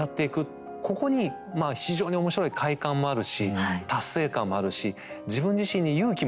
ここに非常に面白い快感もあるし達成感もあるし自分自身に勇気も持ってもらえる。